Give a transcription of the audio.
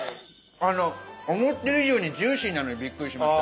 あの思ってる以上にジューシーなのにびっくりしました。